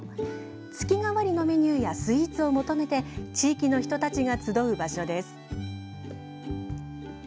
月替わりのメニューやスイーツを求めて地域の人たちが集う場所です。